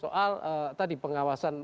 soal tadi pengawasan